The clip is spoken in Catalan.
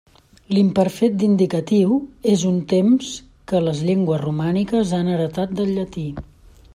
L'imperfet d'indicatiu és un temps que les llengües romàniques han heretat del llatí.